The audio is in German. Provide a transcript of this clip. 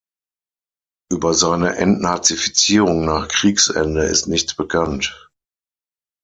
Über seine Entnazifizierung nach Kriegsende ist nichts bekannt.